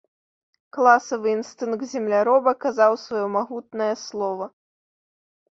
Класавы інстынкт земляроба казаў сваё магутнае слова.